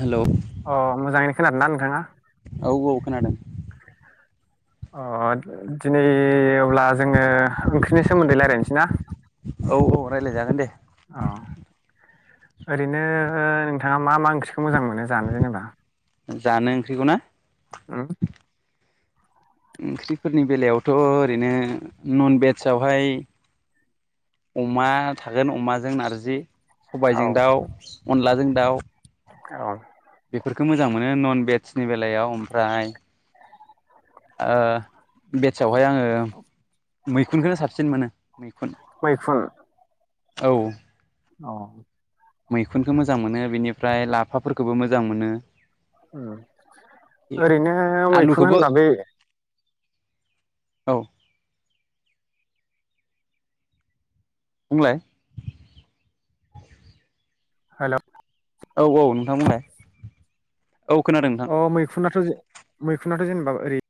Hello अ मोजाङैनो खोनादोंना नोंथाङा औ औ खोनादों अ दिनै अब्ला जोङो ओंख्रिनि सोमोन्दै लायरायनोसै ना औ औ रायलायजागोन दे अ ओरैनो नोंथाङा मा मा ओंख्रि खौ मोजां मोनो जानो जेनेबा जानो ओंख्रिखौ ना उम ओंख्रिफोरनि बेलायावथ' ओरैनो नन भेजवहाय अमा थागोन अमाजों नारजि औ सबायजों दाउ अनलाजों दाउ आ औ बेफोरखौ मोजां मोनो नन भेेजनि बेलायाव ओमफ्राय ओ सयावहाय आङो मैखुनखौनो साबसिन मोनो मैखुन मैखुन औ औ मैखुनखौ मोजां मोनो बेनिफ्राय लाफाफोरखौबो मोजां मोनो उम ओरैनो मैखुन आलुखौबो होनबा बे औ बुंलाय हेलौ औ औ नोंथां बुंलाय औ खोनादों नोंथां अ मैखुनाथ' मैखुन नाथ' जेनेबा ओरै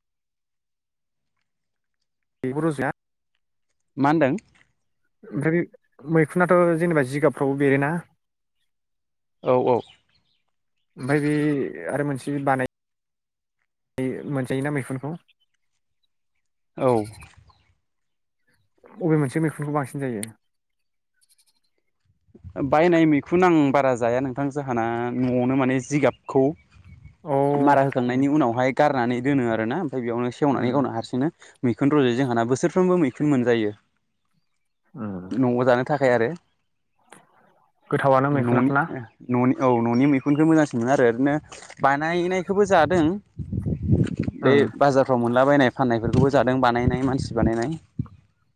बेखोथ' जा मा होनदों ओमफ्राय बे मैखुुनथ' जेनेबा जिगाबफ्रावबो बेरोना? औ औ । ओमफ्राय बे आरो मोनसे बानाय मोनजायोना मैखुनखौ औ । बबे मोनसे मैखुनखौ बांसिन जायो? बायनाय मैखुन आं बारा जाया नोंथां जोंहाना न'आवनो माने जिगाबखौ अ मारा उम होखांनायनि उनावहाय गारनानै दोनो आरो ना । ओइ बेयावनो सेवनानै उम गावनो हारसिंनो मैखुन रजयो जोंहाना, बोसोरफ्रोमबो मैखुन मोनजायो। उम न'आव जानो थाखाय आरो गोथावानो न'नि मैखुनाथ' ना? न'नि औ न'नि मैखुनखौ मोजांसिन मोनो आरो ओरैनो बानायनायखौबो जादों। बे उम बाजारफ्राव मोनलाबायनाय फाननायफोरखौबो जादों बानायनाय मानसि बानायनाय,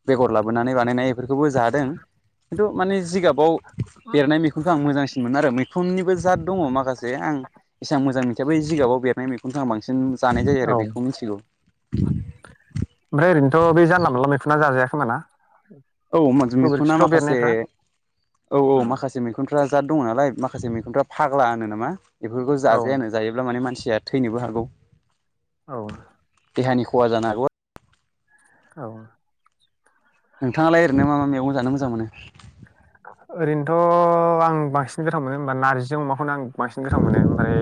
बेगर लाबोनानै बानायनाय बेफोरखौबो जादों खिन्थु माने जिगाब बेरनाय मैखुनखौ आं मोजांसिन मोनो आरो मै खुननिबो जात दङ माखासे आं एसेबां मोजां मिथिया बै जिगाबाव बेरनाय मैगुनखौ आं बांसिन जानाय जायो औ आरो बेखौ मिथिगौ ओमफ्राय ओरैनोथ' बे जानला मोनला मैखुना जाजाया खोमा ना? औ मैखुना गोबोरखिफ्राव माखासे बेरनायफ्रा औ औ उम माखासे मैखुन फोरा जात दङ नालाय माखासे मैखुनफ्रा फाग्ला होनो नामा? बेफोरखौ औ जाजायानो जायोब्ला माने मानसि या थैनोबो हागौ औ। देहानि खहा जानो हागौ औ। नोंथाङालाय मा मा मैगं जानो मोजां मोनो? ओरैनोथ' आं बांसिन गोथाव मोनो होनबा नारजिजों अमाखौनो आं बांसिन गोथाव मोनो ओमफ्राय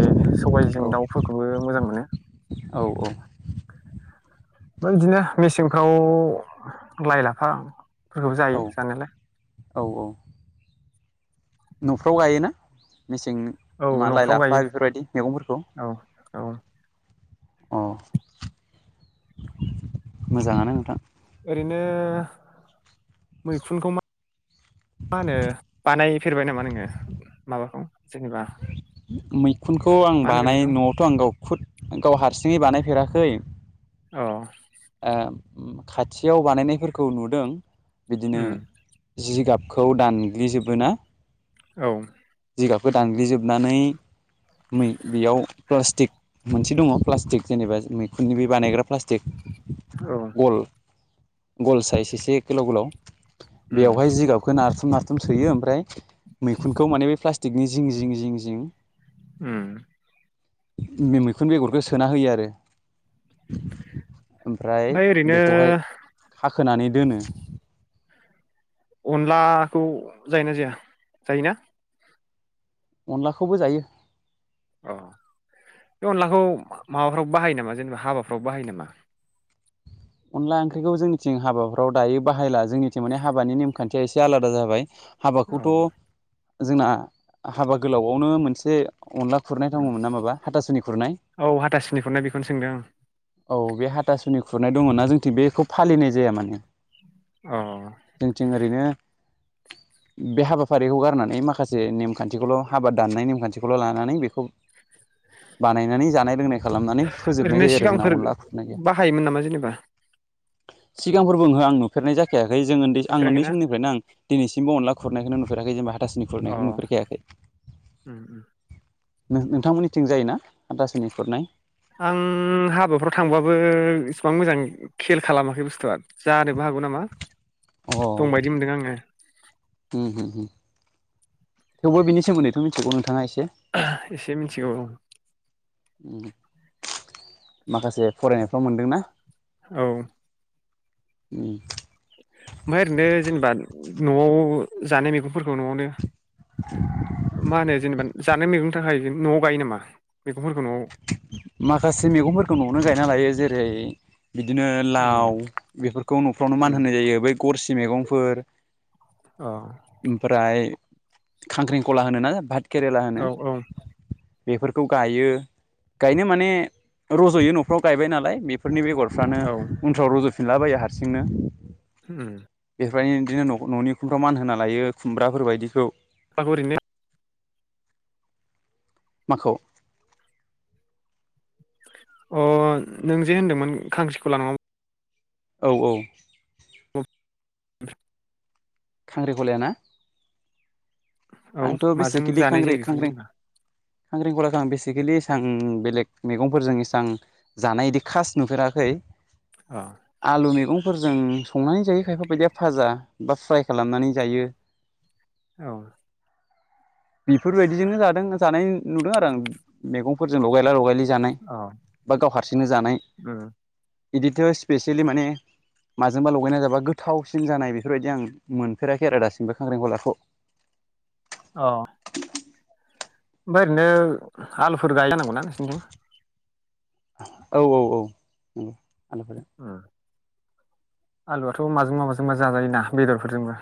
औ सबाइजों दाउफोरखौबो मोजां मोनो। औ ओमफ्राय बिदिनो मेसेंफ्राव लाइ-लाफा फोरखौबो औ जायो जानायालाय। औ औ। न'फ्राव गायोना मेसेंनि औ मा लाइ न'फ्राव गायो लाफा बेफोरबायदि मैगंफोरखौ? औ औ। अ मोजाङानो नोंथां। ओरैनो मैखुनखौ मा मा होनो बानायफेरबाय नामा नोङो माबाखौ जेनेबा मैखुनखौ आं मा होनगोन बानाय बेखौ न'आवथ' आं गाव खुद गाव हारसिङै बानायफेराखै अ ओ खाथियाव बानायनायफोरखौ नुदों बिदिनो उम जिगाबखौ दानग्लिजोबो ना औ जिगाबखो दानग्लिजोबनानै मै बेयाव प्लास्टिक मोनसे दङ प्लास्टिक जेनेबा मैखुननि बे बानायग्रा बे प्लास्टिक औ गल गल साइज एसे गोलाव गोलाव उम बेवहाय जिगाबखो नार नारथुम सोयो ओमफ्राय मैखुनखौ माने बे फ्लास नि जिं जिं जिं जिं उम मि मैखुन बेगरखौ सोना होयो आरो ओमफ्राय ओरैनो खोनानै दोनो अनलाखौ जायोना जाया जायोना अनलाखौबो जायो बे अनलाखौ माबाफ्रावबो बाहायो नामा जेनेबा हाबाफ्रावबो बाहायो नामा अनला ओंख्रिखौ जोंनिथिं हाबाफ्राव दायो बाहायला जोंनिथिं माने हाबानि नेमखान्थिया एसे आलादा जाबाय औ हाबाखौथ' जोंना हाबा गोलावआवनो मोनसे अनला खुरनाय दङमोन ना माबा हाथासुनि खुरनाय औ हाथासुनिखौनो बेखौनो सोंदों आं औ बे हाथासुनि खुर नाय दङ ना जोंथिं बेखौ फालिनाय जाया माने अ थिं ओरैनो बे हाबाफारिखौ गारनानै माखासे नेमखान्थिखौल' हाबा दाननाय नेमखान्थिखौल' लानानै बेखौ बानायनानै जानाय लोंनाय खालामनानै फोजोबनाय ओरैनो जायो आरो जोंना सिगांफोर अनला खुरनाय गैया बाहायोमोन नामा जेनेबा सिगांफोरबो ओंहो आं नु फेरनाय जाखाया जों ओन्दै आं ओन्दै नुफेराखैना समनिफ्रायनो आं दिनैसिमबो अनला खुरनायखो नो नु फोराखै जेनेबा हाथ थासुनि अ खुरनायखौनो नुफेरखायाखै उम उम नोंथांमोननिथिं जायोना हाथासुनि खुरनाय? आं हाबाफ्राव थांबाबो इसिबां मोजां खेल खालामाखै बुस्थुआ जानोबो हागौ नामा। अ [inaudible] उम दंबायदि मोनदों आङो उम उम। [inaudible] थेवबो बिनि सोमोन्दैथ' मिथिगौ नोंथाङा एसे [unintelligible] एसे मिथिगौ औ उम [inaudible] माखासे फरायनायफ्राव मोनदोंना? औ उम ओमाय ओरैनो जेनेबा न'आव जानाय मैगंफोरखौ न'आवनो मा होनो जेनेबा जानाय मैगं थाखाय न'आव गायो नामा? मैगंफोरखौ न'आव माखासे मैगंफोरखौ न'आवनो गायना लायो जेरै बिदिनो लाव उम बेफोरखौ न'फ्रावनो मान उम होनाय जायो बै गरसि मेगंफोर अ [inaudible] ओमफ्राय खांख्रिंखला होनो ना भात केरेला होनो औ औ बेफोरखौ गायो गायनो माने रज'यो न'फ्राव गायबाय नालाय बेफोरनि बेगर फ्रानो औ उनफ्राव रज' फिनलाबाया हारसिंनो हुम [unintelligible] इदिनो न'नि उखुमफ्राव मानहोना लायो खुमब्राफोर बायदिखौ आंखौ ओरैनो [inaudible] माखौ? अ नों जे होनदोंमोन खांख्रिखला [unintelligible] औ औ [inaudible] खांख्रिखलाया ना? औ आंथ' माजों जानाय जायो बेखौ जेनेबा? खांख्रिखलाखौ आं बेसिकेलि इसां बेलेग मैगंफोरजों इसां जानाय इदि खास नुफेराखै अ आलु मैगं फोरजों संनानै जायो खायफा बायदिया फाजा बा फ्राय खालामनानै जायो। औ बेफोरबायदिजोंनो जादों जानाय नुदों आरो आं, मैगंफोरजों लगायला लगायलि जानाय, औ बा गाव हारसिंनो जानाय। उम इदिट स्पेसियेलि माने माजोंबा लगायना जाबा गोथावसिन जानाय बेफोरबायदि आं मोनफेराखै आरो दासिमबो खांख्रिंखलाखौ। अ ओमफ्राय ओरैनो आलुफोर गाय जानांगौना नोंसिनिथिं? [inaudible] औ औ औ । ओ आलुआथ' माजोंबा माजोंबा जाजायोना बेदरफोरजोंबो?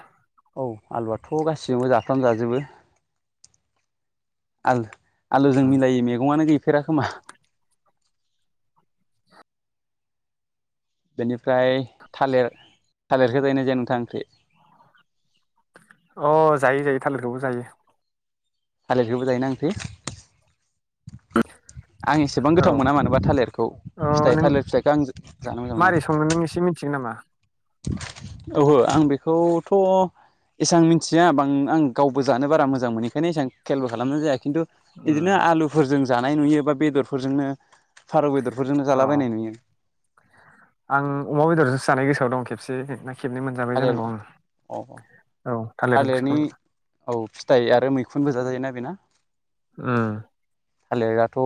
औ आलुआथ' गासैजोंबो जाफ्राम जाजोबो आल आलुजों मिलायि मैगंआनो गै फेर खोमा बेनिफ्राय थालेर थालेरखौ जायो ना जाया नोंथाङा ओंख्रि? अ जायो जायो थालेरखौबो जायो । थालेरखौबो जायो ना ओंख्रि? आं एसेबां औ गोथाव मोना मानोबा थालिरखौ अ फिथाइ नों थालिर फिथाइखौ आं जानो मोजां मारै सङो नों मोना। एसे मिथिगोन नामा औओहो आं बेखौथ' एसेबां मिथिया बां आं गावबो जानो बारा मोजां मोनोखायनो एसेबां खेलबो खालामना जायाखै। खिन्थु उम बिदिनो आलुफोरजों जानाय नुयो बा बेदरफोरजोंनो फारौ बेदरफोरजोंनो अ जालाबायनाय नुयो। आं अमा बेदरजों जानाय गोसोआव दं खेबसे। खेबनै मोनजाबाय थालिर जानांगौ आं औ औ थालिर ओंख्रिखौ थालिरनि औ फिथाइ आरो मैखुनबो जाजायोना बेना। [inaudible] थालिराथ'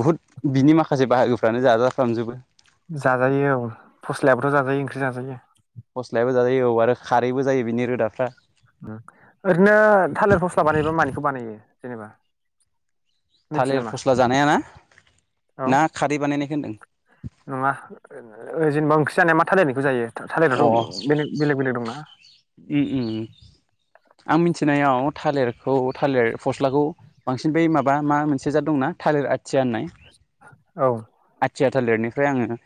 बुहुद बिनि माखासे बाहागोफ्रानो जाजाफ्रामजोबो। जाजायो औ फस्लायाबोथ' जाजायो ओंख्रि जाजायो। फस्लायाबो जायो औ आरो खारैबो जायो बिनि रोदा ्रा [inaudible] ओरैनो थालिर फस्ला बानायबा मानिखौ बानायो? जेनेबा मिथियो थालिर नामा फस्ला जानायाना औ ना खारै बानायनायखौ होनदों? नङा ओ जेनेबा ओंख्रि मा थालिरनिखौ जायो? थालिरथ' बे बेलेग बेलेग दंना? आं मिथिनायाव थालिरखौ थालिर फस्लाखौ बांसिन बै माबा मा मोनसे जा दंना थालिर आ औ। आथिया थालिरनिफ्राय आङो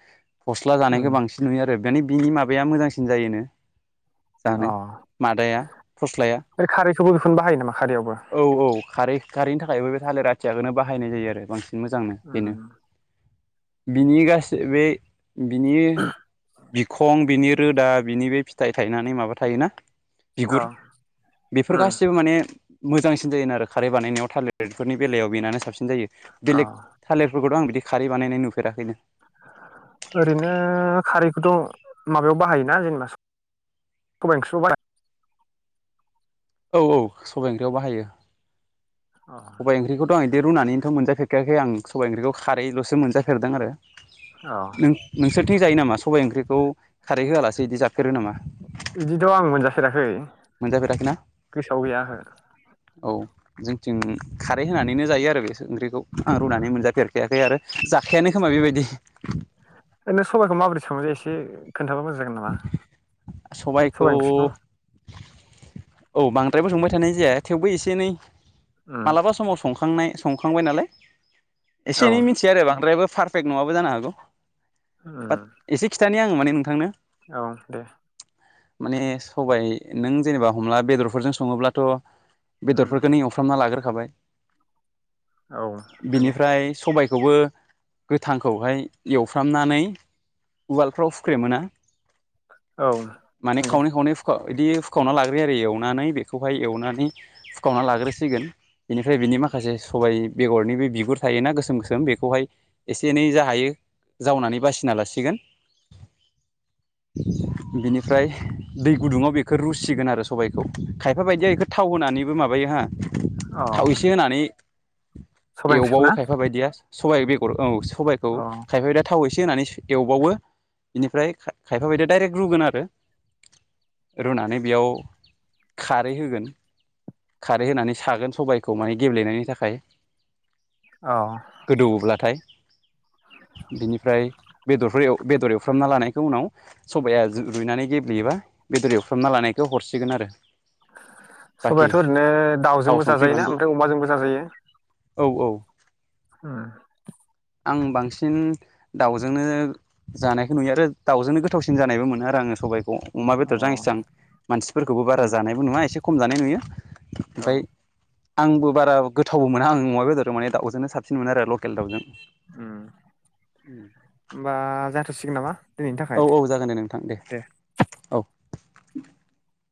फस्ला उम जानायखौ बांसिन नुयो आरो। बिनि माबाया मोजांसिन जायोनो। जानो मादाया फस्लाया अ खारैखौबो बेखौनो बाहायो नामा खारैयावबो? गारिनि थाखायबो बे थालिर आथियाखौनो बाहायनाय जायो आरो बांसिन। मोजांनो बेनो। उम बेनि गासै बे बिनि खं बिनि रोदा बिनि बे फिथाइ थायनानै माबा थायोना। औ बिगुर बेफोर उम गासिबो माने मोजांसिन जायोनो आरो खारै बानायनायाव टालेरफोरनि बेलायाव बेनानो साबसिन। जायो औ बेलेक थालेरफोरखौथ' आं बिदि खारै बानायनाय नुफेराखैनो। ओरैनो खारैखौथ' माबायाव बाहायोना जेनेबा सबाइ ओंख्रि' बाह औ औ सबाइ ओंख्रियाव बाहायो। सबाय ओंख्रिखौथ' आं बे रुनानैथ' मोनजाफेरखायाखै आं सबायाइ ओंरिख्रिखौ खारैलसो मोनजाफेरदों आरो अ औ नों नोंसोर थिं जायो नामा सबबाय ओंख्रिखौ खारै होआलासे बिदि जाफेरो नामा? बिदिथ' आं मोनजाफेराखै मोनजाफेराखै ना गोसोआव गैया ओहो। औ जोंथिं थिं खारै होनानैनो जायो आरो बेसो ओख्रि बेखौ आं उम रुनानै मोनजाफेरखायाखै आरो जाखायानो खोमा बेबायदि। ओरैनो सबाइखौ माबोरै [unintelligible] खोन्थाबा मोजां जागोन नामा सबायखौ सबाय ओंख्रिखौ। औ बांद्रायबो संबाय थानाय जाया थेवबो एसे एनै उम मालाबा समाव संखांनाय संखांबाय नालाय औ एसे एनै मिन्थियो आरो बांद्रायाबो फार फेक नङाबो जानो हागौ। बाट उम एसे खि खिथानि आं माने नोंथांनो। औ दे। माने सबाय नों जेनेबा हमना ला बेदरफोरजों सङोब्लाथ' उम बेदरफोरखो नों एवफ्रामना लाग्रो खाबाय औ नंगौ बिनिफ्राय सबाय खौबो गोथांखौहाय एवफ्रामनानै उवालफ्राव हुख्रेमो ना। औ माने नंगौ खावनै खावनै हुखा बिदि फुखावना लाग्रो यो आरो एवनानै बेखौहाय एवनानै फुखावना लाग्रोसिगोन बेनिफ्राय बेनि माखासे सबाय बेगरनि बे बिगुर थायोना गोसोम गोसोम बेखौहाय एसे एनै जा हायो जावनानै बासिना लासिगोन बिनिफ्राय दै गुदुङाव बेखौ रुसिगोन आरो सबायाइखौ खायफा बायदिया बेखौ थाव होनानैबो माबायो हा अ थाव एसे होनानै सबाइ ओंख्रिखौ एवबावो ना खायफा बायदिया। सबाइ बेगर औ सबायखौ अ खायफोरा थाव एसे होनानै एवबावो बेनिफ्राय खायफा बायदिया डायरेक रुगोन आरो रुनानै बेयाव खारै होगोन खारै होनानै सागोन सबायखौ माने गेब्लेनायनि थाखाय। अ गोदौवोब्लाथाय। बिनिफ्राय बेदरफोर एव बेदर एवफ्रामना लानायखौ उनाव सबाया रुइनानै गेब्लेयोबा बेदर एवफ्रामना लानायखौ हर [unintelligible] आरो सबायाथ' ओरैनो थाव दाउजोंबो संख्रि जाजायोना बानलु ओमफ्राय अमाजोंबो जाजायो। औ औ [unintelligible] आं बांसिन दाउजोंनो जानायखौ नुयो आरो दाउजोंनो गोथावसिन जानायबो मोनो आरो आङो सबाय खौ अमा बेदरजों आं एसां अ मानसिफोरखौबो उम बारा जानायबो नुवा एसे खम जानाय नुयो। औ ओमफ्राय आंबो बारा गोथावबो मोना आं अमा बेदर माने दाउजोंनो साबसिन मोनो आरो लकेल दाउजों। उम ओमबा जा सिगोन नामा? दिनैनि थाखाय औ औ जागोन दे नोंथां दे औ। [inaudible]